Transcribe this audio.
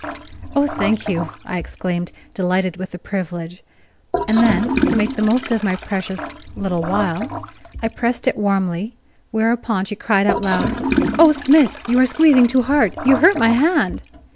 "Oh, thank you," I exclaimed, delighted with the privilege; and then, to make the most of my precious "little while," I pressed it warmly, whereupon she cried out aloud: "Oh, Smith, you are squeezing too hard you hurt my hand!"